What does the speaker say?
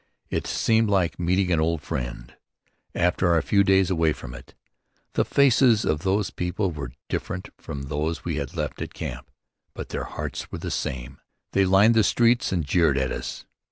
It seemed like meeting an old friend, after our few days away from it. The faces of these people were different from those we had left at camp but their hearts were the same. They lined the streets and jeered at us.